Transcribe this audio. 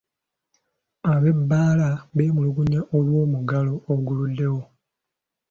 Ab’ebbaala bemmulugunya olwo muggalo oguluddewo.